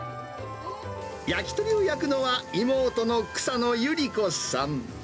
焼き鳥を焼くのは妹の草野由利子さん。